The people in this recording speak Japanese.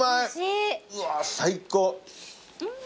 うわー最高。